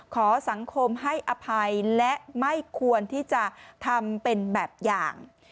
ขอสังคมให้อภัยและไม่ควรที่จะทำเป็นแบบอย่าง